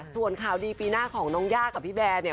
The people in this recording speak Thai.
ส่วนข่าวดีปีหน้าของน้องย่ากับพี่แบร์เนี่ย